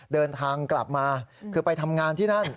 เดินทางกลับมาคือไปทำงานที่นั่น